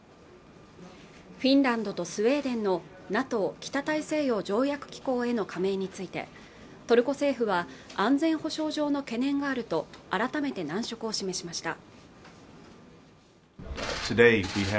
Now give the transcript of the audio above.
フィンランドとスウェーデンのＮＡＴＯ＝北大西洋条約機構への加盟についてトルコ政府は安全保障上の懸念があると改めて難色を示しました